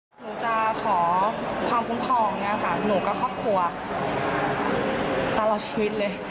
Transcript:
หนูจะขอความคุ้มทองหนูก็ครอบครัวตลอดชีวิตเลย